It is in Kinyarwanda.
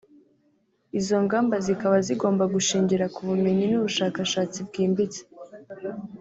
Izo ngamba zikaba zigomba gushingira ku bumenyi n’ubushakashatsi bwimbitse